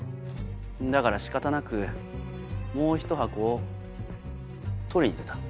だから仕方なくもうひと箱を取りに出た。